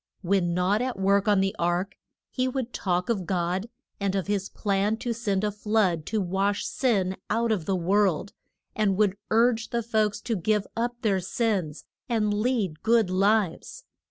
When not at work on the ark, he would talk of God, and of his plan to send a flood to wash sin out of the world, and would urge the folks to give up their sins, and lead good lives.